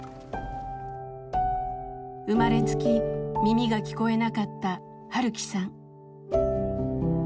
生まれつき耳が聞こえなかった晴樹さん。